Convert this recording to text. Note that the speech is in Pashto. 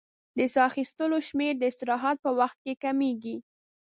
د سا اخیستلو شمېر د استراحت په وخت کې کمېږي.